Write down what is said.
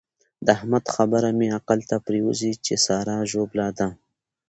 د احمد خبره مې عقل ته پرېوزي چې سارا ژوبله ده.